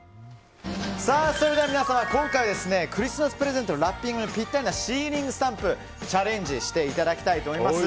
それでは皆様、今回はクリスマスプレゼントのラッピングにピッタリなシーリングスタンプにチャレンジしていただきたいと思います。